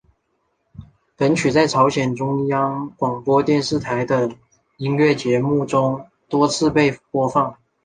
本曲在朝鲜中央广播电台的音乐节目中多次被播放。